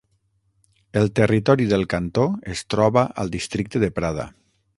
El territori del cantó es troba al districte de Prada.